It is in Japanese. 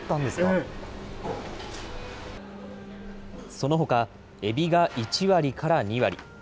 そのほかエビが１割から２割。